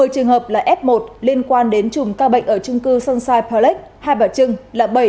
một mươi trường hợp là f một liên quan đến chùm ca bệnh ở trung cư sunshine pallek hai bà trưng là bảy